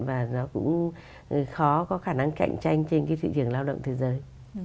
và nó cũng khó có khả năng cạnh tranh trên cái thị trường lao động thế giới